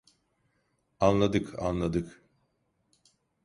Anladık, anladık.